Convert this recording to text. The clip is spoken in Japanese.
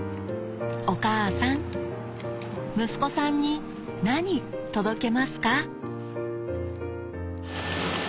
お母さん息子さんに何届けますか？